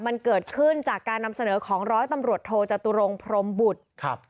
มันเกิดขึ้นจากการนำเสนอของร้อยตำรวจโทจตุรงพรมบุตรครับ